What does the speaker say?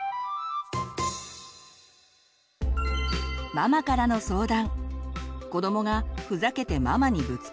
ママからの相談。